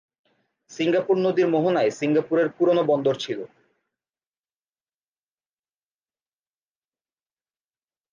Singapore নদীর মোহনায় সিঙ্গাপুরের পুরনো বন্দর ছিল।